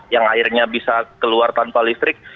yang akhirnya bisa keluar tanpa listrik